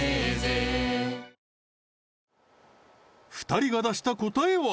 ２人が出した答えは？